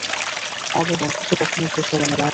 আমাদের বন্ধুত্ব কখনই শেষ হবে না, রাজ।